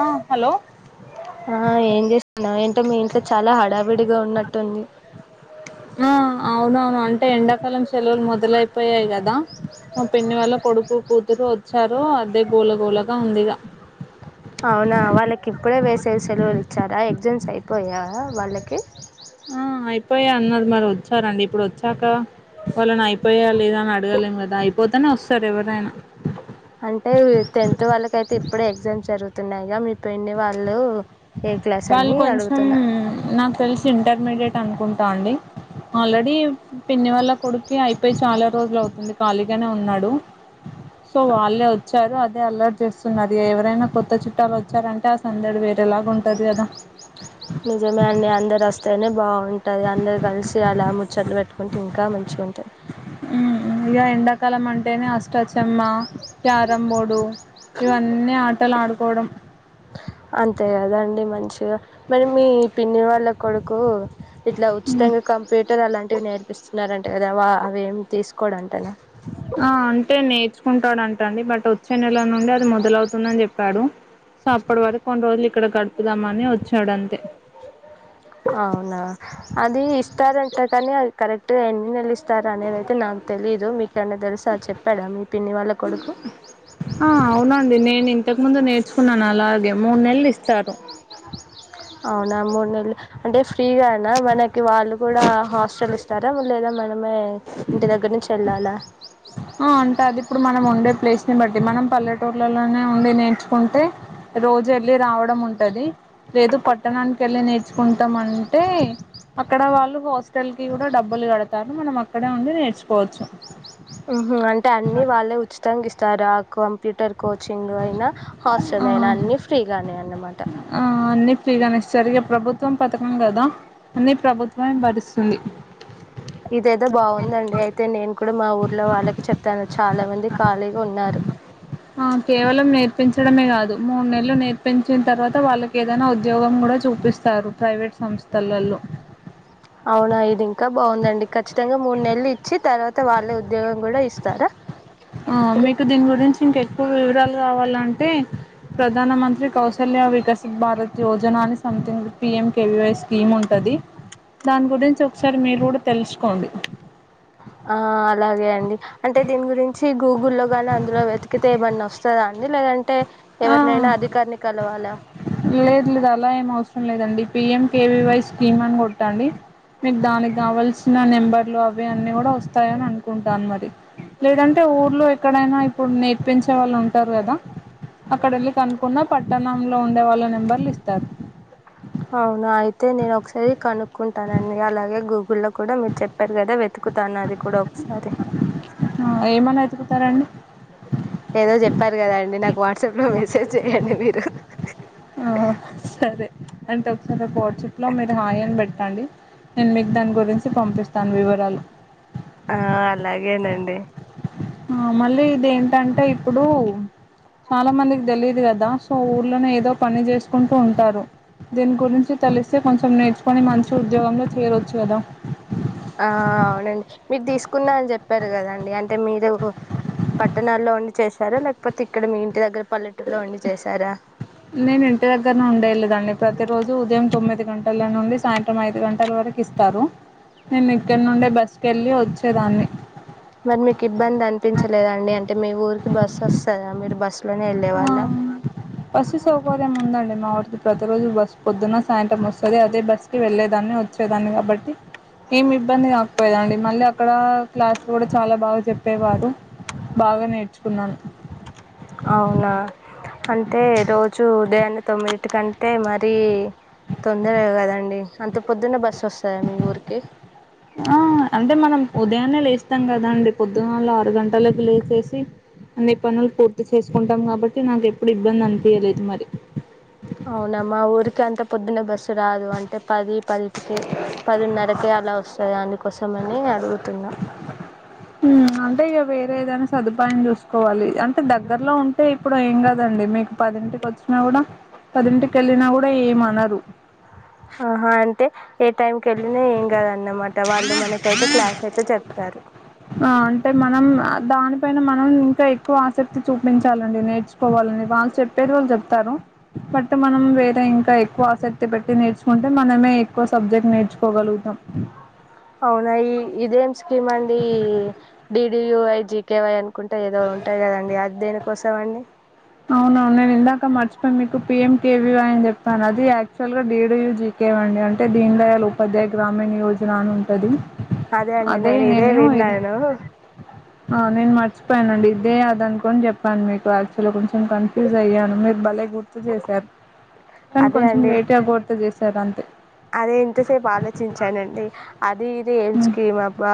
ఆ హలో ఆ ఏం చేస్తున్నా ఏంటో మీ ఇంట్లో చాలా హడా విడిగా ఉన్నట్టుంది ఆ అవును అవును అంటే ఎండ పం సేలవులు మొదలైపోయాయి కదా మా పిన్ని వాళ్ళ కొడుకు కూతురు వచ్చారు అదే గోలగోలగా ఉందిగా సెలవు సెలవులు ఇచ్చారా ఎగ్జామ్స్ అయిపోయా వాళ్ళకి ఆ అయిపోయా అన్నది మరి వచ్చారండి ఇప్పుడు వచ్చాక వాళ్ళని అయిపోయా లేదా అని అడగలేం కదా అయిపోతేనే వస్తారు ఎవరైనా అంటే టెన్త్ వాళ్ళకయితే ఇప్పుడు ఎగ్జామ్స్ జరుగుతున్నాయిగా మీ పెన్ని వాళ్ళు ఏ క్లాస్ వాళ్ళు అని కొంచెం అడుగుతున్నా నాకు తెలిసు ఇంటర్మీడియట్ అనుకుంటా అండి ఆల్రెడీ పిన్ని వాళ్ళ కొడుకి అయిపోయి చాలా రోజులు అవుతుంది ఖాళీగానే ఉన్నాడు సో వాళ్ళే వచ్చారు అది అలర్ట్ చేస్తున్నది ఎవరైనా చుట్టాలు వచ్చారంటే సందడు బేర ఎలా ఉంట నిజామేండి అందర రస్త అనే బాగుంటది అందరు కలిసి అలా ముచ్చట్లు పెట్టుకుంటే ఇంకా మంచిగా ఉంటుంది హ ఎండాకాలం అంటేనే అష్టచమ్మ క్యారం బోర్డు ఇవన్నీ ఆటలు ఆడుకోవడం అంతే కదండి మంచిగా మరి మీ పిన్ని వాళ్ళ కొడుకు ఇట్లా ఉచితంగా కంప్యూటర్ అలాంటివి నేర్పిస్తున్నడి కదా వా అవి ఏమి తీసుకోడు అంటాన ఆ అంటే నేర్చుకుంటాడుంట అండి బట్ వచ్చే నెల నుండి అది మొదలవుతుందని చెప్పాడు సో అప్పటి వరకు కొన్ని రోజులు ఇక్కడ గడుపుదామని వచ్చాడుంతే అవునా అది ఇస్తారంటా కాని కరెక్ట్గా ఎన్ని నెల ఇస్తారు అనేది అయితే నాకు తెలీదు మీకు కన్నా తెలుసా చెప్పాడా మీ పిన్ని వాళ్ళ కొడుకు ఇంతకముందు కున్నాను అలాగే మూడు నెలలు ఇస్తా రూ అవునా మూడు నెలలు అంటే ఫ్రీగా అనా మనకి వాళ్ళు కూడా హాస్టల్ ఇస్తారా లేదా మన మె ఇంటి దగ్గర నుంచి వెళ్ళాలా ఆ అంటే అది ఇప్పుడు మనం ఉండే ప్లేస్ ని బట్టి ది మనం పల్లెటూర్లలోనే ఉండి నేర్చుకుంటే రోజు వెళ్ళలి రావడం ఉంటది లేదు పట్టణానికి వెళ్ళి నేర్చుకుంటాం అంటే అక్కడ వాళ్ళు హాస్టల్ కి కూడా డబ్బులు కడతారు మనం అక్క అక్కడ ఉండి నేర్చుకోవచ్చు ఉ అంటే అన్ని వాళ్ళే ఉచితంగా ఇస్త చారా కంప్యూటర్ కోచింగ్ అయినా హాస్టల్ ఆ అయినా అన్ని ఫ్రీగానే అన్నమాట సరిగ ప్రభుత్వ ప్రభుత్వం పథకం కదా అన్ని ప్రభుత్వమే భరిస్తుంది ఇదేదో బాగుందండి అయితే నేను కూడా మా ఊర్లో వాళ్ళకి చెప్తాను చాలా మంది ఖాళీగా ఉన్నారు కేవలం నేర్పించడమే కాదు మూడు నెలలు నేర్పించిన తర్వాత వాళ్ళకి ఏదైనా ఉద్యోగం కూడా చూపిస్తారు ప్రైవేట్ సంస్థలలో అవునా ఇది ఇంకా బాగుందండి ఖచ్చితంగా మూడు నెలలు ఇచ్చి తర్వాత వాళ్ళే వ ఆ మీకు దిన్ గురిన్ ఇంకెక్కువ వివరాలు కావాలంటే ప్రధానమంత్రి కౌశల్య వికాస్ భారత్ యోజన అని సంథింగ్ పిఎంకెవీవై స్కీమ్ ఉంటుంది దాని గురించి ఒకసారి మీరు కూడా తెలుసుకోండి ఆ అలాగే అండి అంటే దీని గురించి గూగుల్లోగానే అందులో వెతికితే ఇవన్న వస్తదా అండి లేదంటే అంటే ఆ ఎవరినైనా అధికారిని కలవాలా లేదు లేదు అలా ఏం అవసరం లేదండి పిఎంకెవీవై స్కీమ్ అని కొట్టండి మీకు దానికి కావాల్సిన నెంబర్లు అవి అన్నీ కూడా వస్తాయని అనుకుంటాను మరి లేదంటే ఊర్లో ఎక్కడైనా ఇప్పుడు నేర్పించే వాళ్ళు ఉంటారు కదా అక్కడ వెళ్ళి కనుకున్న పట్టణంలో ఉ వాళ్ళ నెంబర్లు ఇస్తారు అవునా అయితే నేను ఒకసారి కనుక్కుంటా అండి అలాగే గూగు లో కూడా మీరు చెప్పారు కదా వెతుకుతున్నది కూడా ఒకసారి ఆ ఏమని వెతుకుతారండి ఏదో చెప్పారు కదాండి నాకు వాట్సాప్లో మెసేజ్ చెయండి మీరు ఆ సరే అంటే ఒకసారి ఒక వాట్సప్ లో మీరు హాయ అని బట్ అండి నేను మీకు దాని గురించి పంపిస్తాను వివరాలు ఆ అలాగేనండి ఆ మళ్ళీ ఇదే ఎంటే ఇప్పుడు చాలా మందికి తెలియదు కదా స ఊర్లోనే ఏదో పని చేసుకుంటూ ఉంటారు దీని గురించి తెలిస్తే కొంచెం నేర్చుకొని మంచి ఉద్యోగంలో చేరవచ్చు కదా ఆ అవునండి మీరు తీసుకున్నా అని చెప్పారు కదండి అంటే మీరు పట్టణాల్లో వండి చేశారా లేకపోతే ఇక్కడ మీ ఇంటి దగ్గర పల్లెటూరులో ఉండి చేశారా నేను ఇంటి దగ్గర ఉండేలేదండి ప్రతి రోజు ఉదయం తొమ్మిది గంటల నుండి సాయంత్రం ఐదు గంట ఇట్టల్ వరకు ఇస్తారు నేను ఇక్కడి నుండే బస్కి వెళ్ళి వచ్చేదాన్ని మరి మీకు ఇబ్బంది అనిపించలేదండి బస్ ఆ బస్సు సౌకర్యం ఉందండి మా వారితో ప్రతి రోజు బస్సు పొద్దున సాయంత్రం వస్తుంది అదే బస్కి వెళ్ళేదాన్ని వచ్చేదాన్ని కాబట్టి ఏమి ఇబ్బంది కాకపోయేదండి మళ్ళీ అక్కడ క్లాసులు కూడా చాలా బాగా చెప్పేవారు బాగా నేర్చుకున్నాను అవునా అంటే రోజు ఉదే అన్న తొమ్మిదిటి కంటే మరీ తొమ్ందర కదండి అంత పొద్దున్నే బస్సు వస్తుందా మీ ఊరికి ఆ అంటే మనం ఉదయాన్నే లేస్తాం కదా అండి పొద్దునాళ్ళు ఆరు గంటలలకు లేచేసి అన్ని పనులు పూర్తి చేసుకుంటాం కాబట్టి నాకు ఎప్పుడు ఇబ్బంది అనిపయలేదు మరి పొద్దున బస్సు రాదు అంటే పది పదిటికే పదిన్నరకే అలా వస్తుంది దానికోసం అని అడుగుతున్నా లేదని సదుపాయం చూసుకోవాలి అంటే దగ్గర్లో ఉంటే ఇప్పుడు ఏం కదండి మీకు పదింటికి వచ్చినా కూడా పదింటికి వెళ్ళినా కూడా ఏమనరు ఆహా అంటే ఏ టైంకి వెళ్ళినా ఏం కాదన్నమాట వాళ్ళు మనకైతే క్లాస్ అయితే చెప్తారు ఆ అంటే మనం దానిపైన మనం ఇంకా ఎక్కువ శక్తి చూపించాలం నేర్చుకోవాలని వాళ్ళు చెప్ పేరు వాళ్ళు చెప్తారు బట్ మనం వేరే ఇంకా ఎక్కువ ఆసక్తి పెట్టి నేర్చుకుంటే మనమే ఎక్కువ సబ్జెక్ట్ నేర్చుకోగలుగుతాం అవునాయి ఇదేం స్కీమ్ అండి డిడియూవై జీకేవై అను కుంటా ఏదో ఉంటాయి కదండి అది దేనికోసం అండి అవునవును నేను ఇందాక మర్చిపోయి మీకు పిఎం కేవీవాై అని చెప్పాను అది ల్గా డ్యూ జీ అండి అంట దీంట్లో ఉపాధ్యాయ గ్రామీణ యో జలాను ఉంటుంది అదే అండి నేను ఇదే విన్నాేను ఆ నేను మర్చపోయనండి ఇదే అద అనుకోని చెప్పాను మీకు అసలో కొంచెం కన్ఫ్యూజ్ అయ్యాను మీరు భలే గుర్తు చేశారు కానీ అదే కొంచెం అండి లేట్ గా గుర్తు చే సరే అంతే అదే ఇంతసేపు ఆలోచించానండి అది ఇది ఏం హ్మ్. స్కీమ్ అబ్బా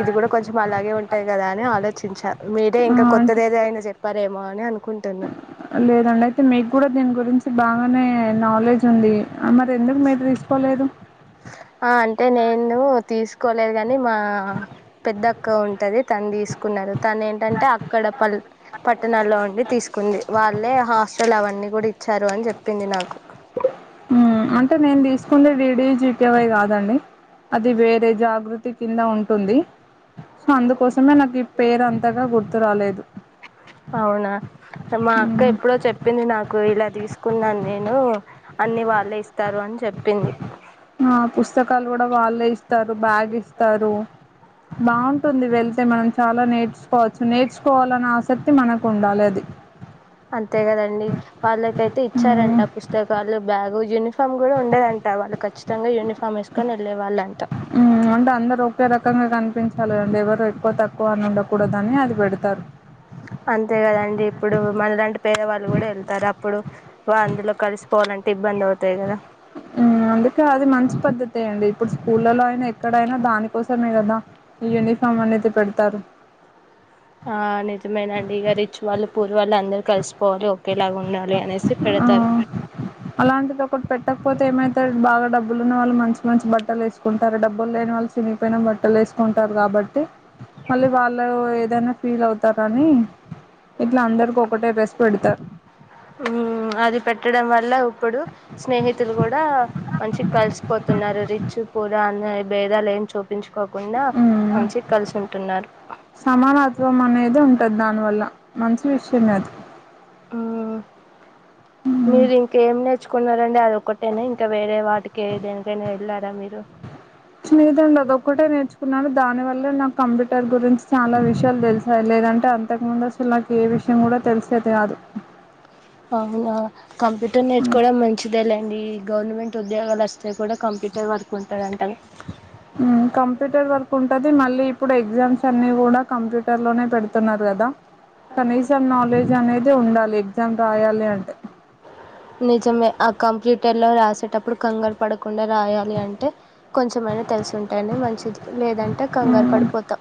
ఇది కూడా కొంచెం అలాగే ఉంటాయి కదా అని ఆలోచించారు అంటే ఆ! ఇంకా అంటే కొత్తదేదైన చెప్పారే మానే అ లేదండి అయితే మీకు కూడా దీని గురించి బాగానే నాలెడ్జ్ ఉంది మరి ఎందుకు మీరు తీసుకోలేదు ఆ అంటే నేను తీస్ తీకోలేదు కాని మా పెద్దక్క ఉంటది తను తీసుకున్నారు తను ఏంటంటే అక్కడ పల్ పట్టణాలో ఉండి తీసుకుంది వాళ్ళే హాస్టల్ అవన్నీ కూడా ఇచ్చారు అని చెప్ చెప్పింది నాకు హ్మ్. అంటే నేను తీసుకుంటే డీడీ జీపివై కాదండి అదిే వేర జాగృతి కింద ఉంటుంది సో అందుకోసం అవునా మా అక్క హ్మ్. ఎప్పుడో చెప్పింది నాకు ఇలా తీసుకున్నాన్ నేను అన్ని వాళ్ళే ఇస్తారు అని చెప్పింది ఆ పుస్తకాలు కూడా వాళ్ళే ఇస్ స్తారు బ్యాగ్ ఇస్తారు బాగుంటుంది వెళ్తే మనం చాలా నేర్చుకోవచ్చు నేర్చుకోవాలన్న ఆసక్తి మనకు ఉండాలి అది అంతే కదండి వాళ్ళకైతే హ్మ్. ఇచ్చారంట పుస్తకాలు బ్యాగు యూని ఫామ్ కూడా ఉండేదంట వాళ్ళకి చ్చ చ్చితంగా యూనిఫమ్ ఏసుకొని వెళ్లే వాళ్ళు అం ఉమ్ అంటే అందరుూ ఒకే రకంగా కనిపించాలి అేవర అంతే కదండి ఇప్పుడు మనలాంటి పేదవాళ్ళు కూడా వెళ్తారు అప్పుడు అందులో కలిసిపోవాలంటే ఇబ్బంది అవుతాయి కదా ఉమ్ అందుకే అది మంచి పద్ధతే అండి ఇప్పుడు స్కూళ్లలో అయినా ఎక్కడైనా దానికోసం స మే కదా యనిఫార్మ అనేది పెడ తారు ఆ నిజమేైనండి ఇక రిచ్ి వాళ్ళు పూర్ వాళ్ళు అందరు కలిసిపోవాలి ఓేలాగా ఉండాలి అనేసి ఆ పెడతారు అలాంటిది ఒకటి పెట్టకపోతే ఏమైత బాగా డబ్ బ్బులు ఉన్న వాళ్ళు మంచి మంచి బట్టలు వేసుకుంటారు డబ్బులు లేని వాళ్ళు చినిపోయినా బట్టలు వేసుకుంటారు కాబట్టి మళ్ళీ వాళ్ళు ఏదైనా ఫీల్ అవుతారాని ఇట్లా అందరికి ఒకటే డ్రెస్ పెడతారు ఉమ్ అది పెట్టడం వల్ల ఇప్పుడు స్నేహితులు కూడా మంచి కలిసిపోతున్నారు రిచ్ పూర్ అన్న భేదాలు ఏని చూపించు కోకుండా మ్మ్ మంచి కలిసు ఉంటున్నారు టాది దానివల్ల మంచి విషయం అది ఆ మ్మ్ మీరూ ఇంక ఏం నే తెచ్చుకున్నారండి అదొక్కటేనా ఇంకా వేరే వాటికి దేనికైనా వెళ్ళారా మీరు స్నేదండి అదొక్కటే నేర్చుకున్నాను దాని వల్లే నాకు కంప్యూటర్ గురించి చాలా విషయాలు తెలుసాయి లేదంటే అంతకుముందు అసలు నాకు ఏ విషయం కూడా తెలిసేది కాదు అవునా కంప్యూటర్ నేర్చుకోవడం మంచిదెలె అండి గవర్నమెంట్ ఉద్యోగాలు వస్తే కూడా కంప్యూటర్ వర్క్ ఉంటది అంటారు ఉ కంప్యూటర్ వర్క్ ఉంటది మళ్ళీ ఇప్పుడు ఎగ్జామ్స్ అన్ని కూడా కంప్యూటర్ లోనే పెడుతున్నారు కదా కానీసం నాలెడ్జ్ అనేది అయితే ఉండాలి ఎగ్జామ్ రాయాలి అంటే నిజమే ఆ కంప్యూటర్లో రాసేటప్పుడు కంగారు పడకుండా రాయాలి అంటే కొంచెమైనా తెలిసి ఉంటేనె మంచిది లేదంటే కంగారు ఊను పడిపోతాం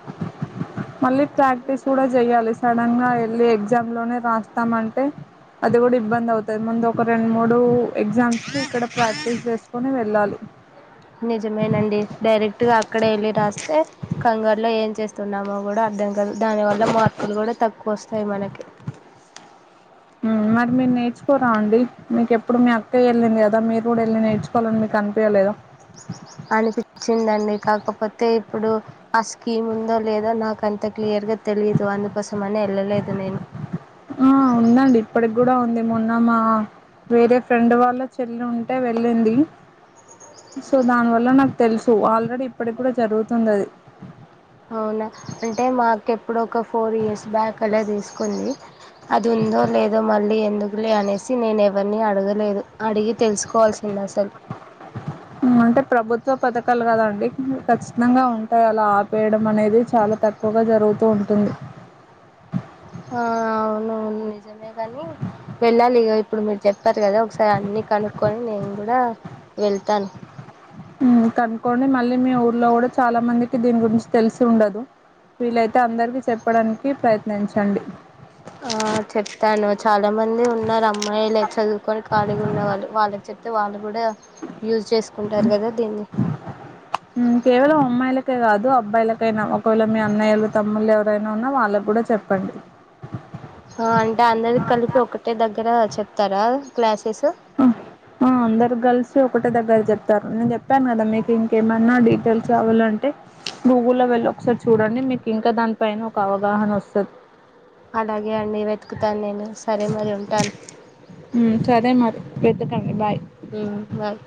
మళ్ళీ ప్రాక్టీస్ గుడా జేయాలి సడన్ గా వెళ్ళి ఎగ్జామ్ లోనే రాస్తామంటే అది గూడా ఇబ్బంది అవుతది ముందు ఒక రెండు మూడు ఎగ్జామ్స్ కి ఇక్కడ ప్రాక్టీస్ చేసుకొని వెళ్ళాలి నిజమేనండి డైరెక్ట్ గా అక్కడె ఎళ్ళి రాస్ త్తే కంగారులో ఏం చేస్తున్నామో గూడా అర్దం కాదు దాని వల్ల మార్కులు కూడా తక్కువ వస్తాయి మనకి ఉ మరి మీరు నేర్చుకోరా అండి మీకు ఎప్పుడు మీ అక్క ఎళ్ళింది కదా మీరు గూడా ఎళ్ళి నేర్చుకోవాలని మీకు అనిపియ్యలేద అనిపిచ్చిందండి కాకపోతే ఇప్పుడు ఆ స్కీమ్ ఉందో లేదో నాకు అంత క్లియర్ గా తెలీదు అందు కోసమనె వెళ్ళలేదు నేను ఆ ఉందండి ఇప్పటికి గూడా ఉంది మొన్న మా వేరే ఫ్రెండ్ వాళ్ళ చెల్లి ఉం ఉంటే వెళ్ళింది సో దానివల్ల నాకు తెలుసు ఆల్రెడీ ఇప్పటికి కూడా జరుగుతుంది అది అవునా అంటే మా అక్క ఎప్పుడో ఒక ఫోర్ ఇయర్స్ బ్యాక్ అలా దీసుకుంది అది ఉందో లేదో మళ్ళీ ఎందుకులే అనేసి నేను ఎవరిని అడగలేదు అడిగి తెలుసుకోవాల్సింది అసలు ఉ అంటే ప్రభుత్వ పథకాలు కదా అండి ఖచ్చితంగా ఉంటాయి అలా ఆ వేయడం అనేది చాలా తక్కువగా జరుగుతూ ఉంటుంది ఆ అవును నిజమే గానీ వెళ్ళాలి ఇగ ఇప్పుడు మీరు చెప్పారు కదా ఒకసారి అన్నీ కనుక్కొని నేను కూడా వెళ్తాను ఉ కనుక్కోండి మళ్ళీ మీ ఊర్లో గూడా చాలా మందికి దీని గురించి తెలిసి ఉండదు వీళైతే అందరికి చెప్ చెప్పడానికి ప్రయత్నించండి ఆ చెప్తాను చాలా మంది ఉన్నారు అమ్ అమ్మాయిలే చదువుకొని ఖాళీ ఉన్న వాళ్ళు వాళ్ళకి చెప్తే వాళ్ళు గుడా యూజ్ చేసుకుంటారు గదా దీన్ని ఉమ్ కేవలం అమ్మాయిలకే కాదు అ అబ్బాయిలకైనా ఒకవేళ మీ అన్నయ్యలు తమ్ముళ్లు ఎవరైనా ఉన్న వాళ్ళకి గూడా చెప్పండి ఆ అంటే అందరికి కలిపి ఒకటే దగ్గర చెప్తారా క్లాసెస్ ఆ ఆ అందరికి కలిసి ఒకటే దగ్గర జెప్ నేను చెప్పాను కదా మీకు ఇంకేమన్నా టల్స్ కావాలంటే గూగుల్లో వెళ్ళి ఒకసారి చూడండి మీకు ఇంకా దానిపైన ఒక అవగాహన వస్తుంది అలాగే అండి వెతుకుతాను నేను సరే మరి ఉంటాను సరేమరి వెతుకండి బాయ్ ఉమ్ బాయ్